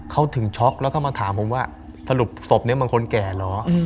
เขาถึงช็อกแล้วก็มาถามผมว่าสรุปศพนี้มันคนแก่เหรอ